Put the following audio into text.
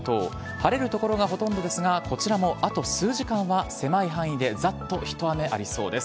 晴れる所がほとんどですが、こちらもあと数時間は狭い範囲でざっと一雨ありそうです。